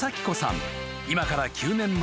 今から９年前］